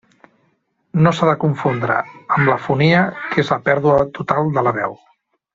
No s'ha de confondre amb l'afonia que és la pèrdua total de la veu.